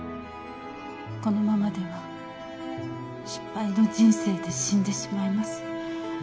このままでは失敗の人生で死んでしまいます